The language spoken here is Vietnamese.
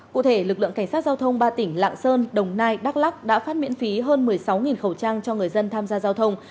cụ thể lực lượng cảnh sát giao thông ba tỉnh lạng sơn đồng nai đắk lắc đã phát miễn phí hơn một mươi sáu khẩu trang cho người dân tham gia giao thông